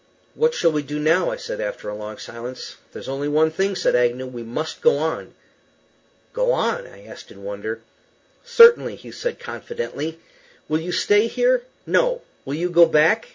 "What shall we do now?" I said, after a long silence. "There's only one thing," said Agnew. "We must go on." "Go on?" I asked, in wonder. "Certainly," said he, confidently. "Will you stay here? No. Will you go back?